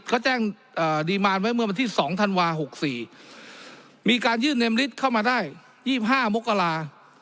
เขาแจ้งเอ่อดีมานไว้เมื่อบันที่สองธันวาส์หกสี่มีการยื่นเข้ามาได้ยี่สิบห้ามกรา